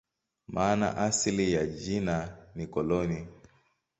Maana asili ya jina ni "koloni".